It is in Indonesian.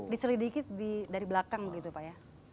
diserih dikit dari belakang gitu pak ya